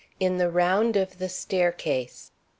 IN THE ROUND OF THE STAIRCASE.